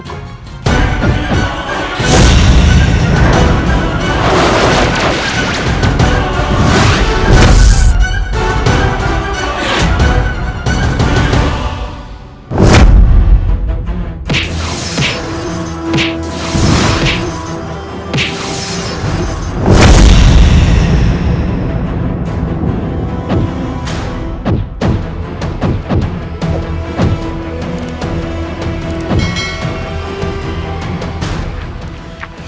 aku membalaskan kekalahanku